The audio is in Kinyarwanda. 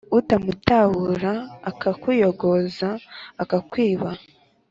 utamutahura, akakuyogoza akakwiba